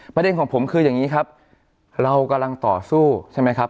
ประเด็นของผมคืออย่างนี้ครับเรากำลังต่อสู้ใช่ไหมครับ